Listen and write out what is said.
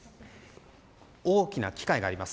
大きな機械があります。